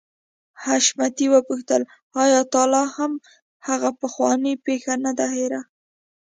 حشمتي وپوښتل آيا تا لا هم هغه پخوانۍ پيښه نه ده هېره.